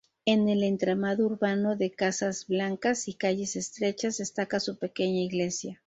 En el entramado urbano, de casas blancas y calles estrechas, destaca su pequeña iglesia.